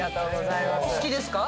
お好きですか？